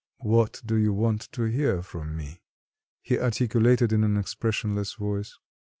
"What do you want to hear from me?" he articulated in an expressionless voice.